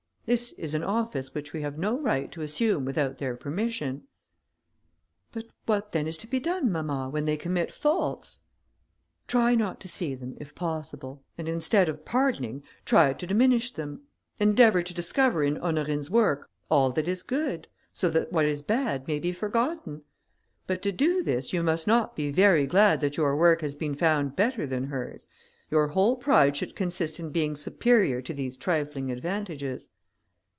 This is an office which we have no right to assume without their permission." "But what then is to be done, mamma, when they commit faults?" "Try not to see them, if possible, and instead of pardoning, try to diminish them; endeavour to discover in Honorine's work all that is good, so that what is bad may be forgotten; but to do this you must not be very glad that your work has been found better than hers; your whole pride should consist in being superior to these trifling advantages."